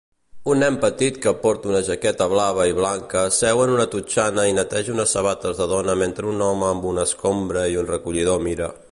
Un nen petit que porta una jaqueta blava i blanca seu en una totxana i neteja unes sabates de dona mentre un home amb una escombra i un recollidor mira